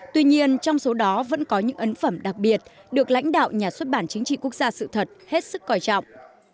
tuy nhiên trong số đó vẫn có những ấn phẩm đặc biệt được lãnh đạo nhà xuất bản chính trị quốc gia sự thật hết sức coi trọng